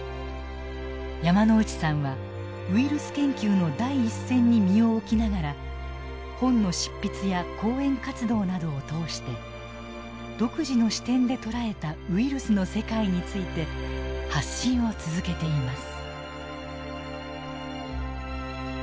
山内さんはウイルス研究の第一線に身を置きながら本の執筆や講演活動などを通して独自の視点で捉えたウイルスの世界について発信を続けています。